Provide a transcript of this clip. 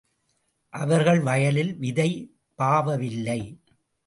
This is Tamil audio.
அவர்கள் வயலில் விதை பாவவில்லை.